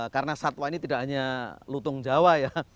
karena satwa ini tidak hanya lutung jawa ya